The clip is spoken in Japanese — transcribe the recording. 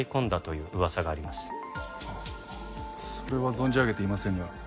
それは存じ上げていませんが。